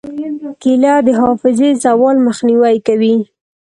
کېله د حافظې زوال مخنیوی کوي.